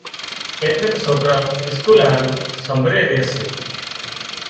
ايٽليڪ سوڪران اسڪول هارُو سمڀرِي ري سي۔